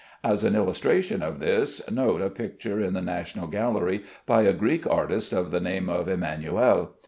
As an illustration of this, note a picture in the National Gallery, by a Greek artist of the name of Emmanuel.